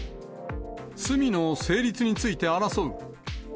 罪の成立について争う。